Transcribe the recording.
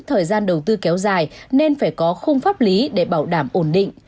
thời gian đầu tư kéo dài nên phải có khung pháp lý để bảo đảm ổn định